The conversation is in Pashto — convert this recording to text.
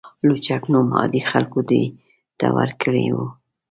لوچک نوم عادي خلکو دوی ته ورکړی و.